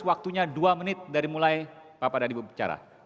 waktunya dua menit dari mulai bapak dan ibu bicara